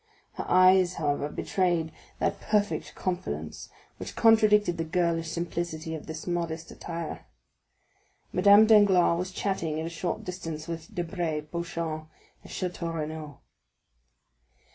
Her eyes, however, betrayed that perfect confidence which contradicted the girlish simplicity of this modest attire. Madame Danglars was chatting at a short distance with Debray, Beauchamp, and Château Renaud.